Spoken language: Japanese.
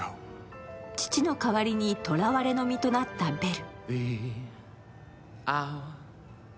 父の代わりにとらわれの身となったベル。